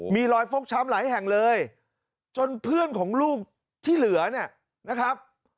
มีรอยฟกช้ำหลายแห่งเลยจนเพื่อนของลูกที่เหลือเนี่ยนะครับ